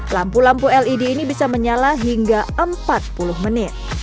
lampu lampu led ini bisa menyala hingga empat puluh menit